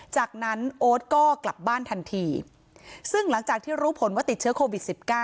จากนั้นโอ๊ตก็กลับบ้านทันทีซึ่งหลังจากที่รู้ผลว่าติดเชื้อโควิด๑๙